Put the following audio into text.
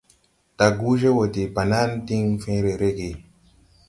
Daguje wɔ de banan diŋ fẽẽre rege.